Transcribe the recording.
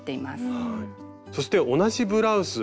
そして同じブラウス。